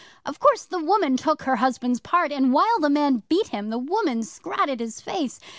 Of course the woman took her husband's part, and while the man beat him, the woman scratted his face.